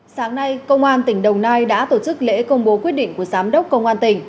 sáng nay công an tỉnh đồng nai đã tổ chức lễ công bố quyết định của giám đốc công an tỉnh